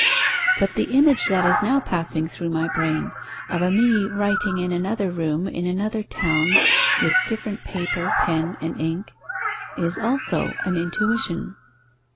But the image that is now passing through my brain of a me writing in another room, in another town, with different paper, pen and ink, is also an intuition.